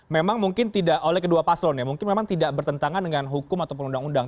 memang mungkin tidak oleh kedua paslon ya mungkin memang tidak bertentangan dengan hukum ataupun undang undang